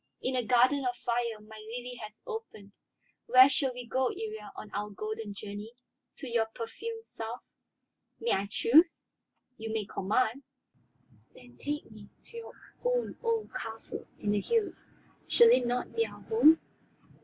In a garden of fire my lily has opened. Where shall we go, Iría, on our golden journey? To your perfumed South?" "May I choose?" "You may command." "Then take me to your own old castle in the hills. Shall it not be our home?"